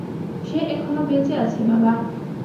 সে এখনও বেঁচে আছে, বাবা।